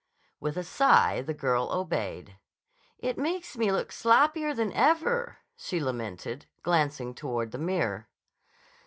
With a sigh, the girl obeyed. "It makes me look sloppier than ever," she lamented, glancing toward the mirror.